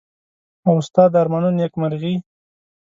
او ستا د ارمانونو نېکمرغي.